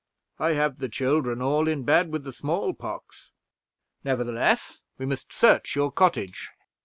"I have the children all in bed with the small pox." "Nevertheless, we must search your cottage."